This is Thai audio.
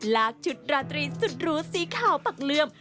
ลากชุดราตรีสุดหรูสีขาวปักเลื่อม